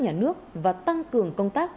nhà nước và tăng cường công tác